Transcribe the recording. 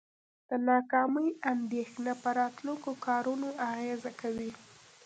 د ناکامۍ اندیښنه په راتلونکو کارونو اغیزه کوي.